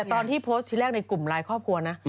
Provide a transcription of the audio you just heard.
ตอนที่โพสต์ที่แรกในกลุ่มไลน์ครอบครัวนะ